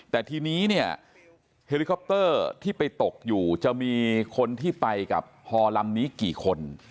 แต่ทีนี้เนี่ยเฮลิคอปเตอร์ที่ไปตกอยู่จะมีคนที่ไปกับฮอลำนี้กี่คน